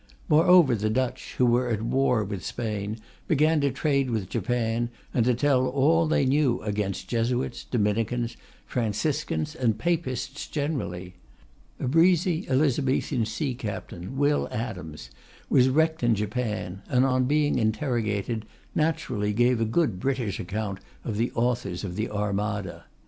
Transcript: Moreover, the Dutch, who were at war with Spain, began to trade with Japan, and to tell all they knew against Jesuits, Dominicans, Franciscans, and Papists generally. A breezy Elizabethan sea captain, Will Adams, was wrecked in Japan, and on being interrogated naturally gave a good British account of the authors of the Armada.